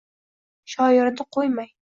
Shoirini qo’ymay —